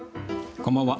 こんばんは。